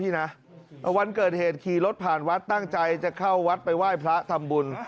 วันเกิดเหตุขี่รถผ่านวัดตั้งใจจะเข้าวัดไปไหว้พระทำบุญ